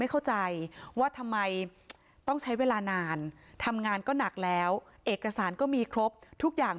เข้าใจว่าทำไมต้องใช้เวลานานทำงานก็หนักแล้วเอกสารก็มีครบทุกอย่าง